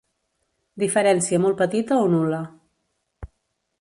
Diferència molt petita o nul·la.